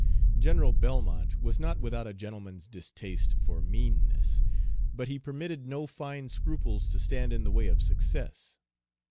General Belmont was not without a gentleman's distaste for meanness, but he permitted no fine scruples to stand in the way of success.